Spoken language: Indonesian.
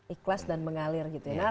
ikhlas dan mengalir gitu ya